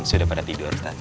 sudah pada tidur ustadz